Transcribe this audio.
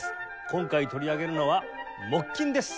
今回取り上げるのは木琴です！